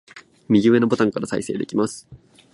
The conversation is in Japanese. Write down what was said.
右上のボタンから再生できます